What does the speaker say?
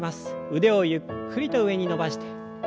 腕をゆっくりと上に伸ばして。